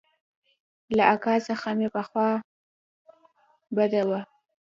له اکا څخه مې خوا بده وه.